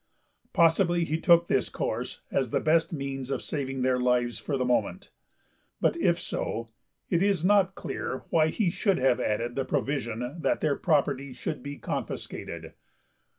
Possibly he took this course as the best means of saving their lives for the moment, but if so it is not clear why he should have added the provision that their property should be confiscated.